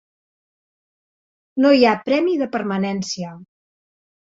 No hi ha premi de permanència.